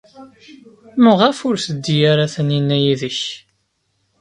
Maɣef ur teddi ara Taninna yid-k?